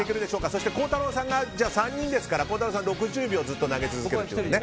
そして孝太郎さん３人ですから６０秒ずっと投げ続けます。